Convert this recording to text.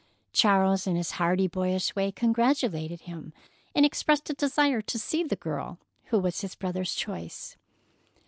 Charles in his hearty boyish way congratulated him and expressed a desire to see the girl who was his brother's choice.